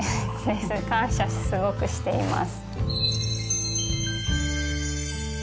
すごくしています。